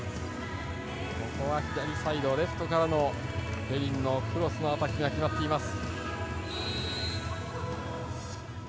ここは左サイドレフトからのペリンのクロスのアタックが決まっています。